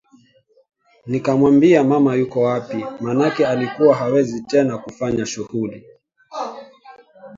nikamwambia mama yuko wapi maanake alikuwa hawezi tena kufanya shughuli